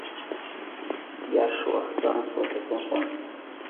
Ya sure! Thanks for the concern.